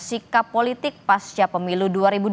sikap politik pasca pemilu dua ribu dua puluh